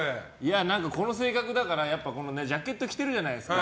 何か、この性格だからジャケット着てるじゃないですか。